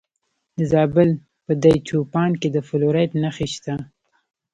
د زابل په دایچوپان کې د فلورایټ نښې شته.